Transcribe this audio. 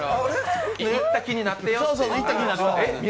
行った気になってねって。